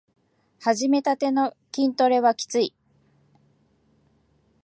はじめたての筋トレはきつい